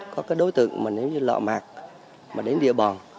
có cái đối tượng mà nếu như lỡ mạc mà đến địa bàn